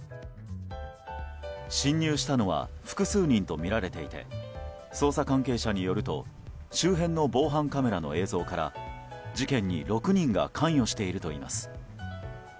侵入したのは複数人とみられていて捜査関係者によると周辺の防犯カメラの映像から事件に６人が関与しているといいます。